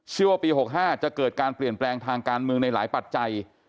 ว่าปี๖๕จะเกิดการเปลี่ยนแปลงทางการเมืองในหลายปัจจัย